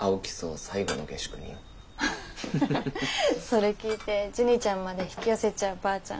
アハハそれ聞いてジュニちゃんまで引き寄せちゃうばあちゃん